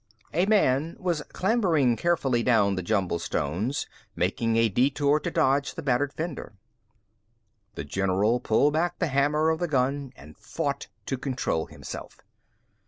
A man was clambering carefully down the jumbled stones, making a detour to dodge the battered fender. The general pulled back the hammer of the gun and fought to control himself.